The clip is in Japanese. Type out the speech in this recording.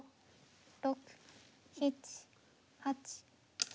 ６７８９。